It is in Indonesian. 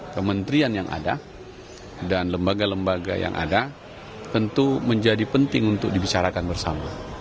kementerian yang ada dan lembaga lembaga yang ada tentu menjadi penting untuk dibicarakan bersama